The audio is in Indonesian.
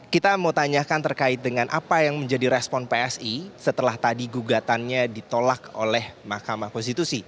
kita mau tanyakan terkait dengan apa yang menjadi respon psi setelah tadi gugatannya ditolak oleh mahkamah konstitusi